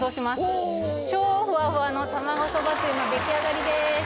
おっ超フワフワの卵そばつゆの出来上がりでーす